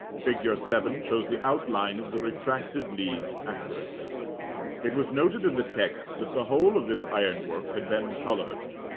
Fig. 7 shows the outline of the retracted leaves accurately. It was noted in the text that the whole of this ironwork had been coloured.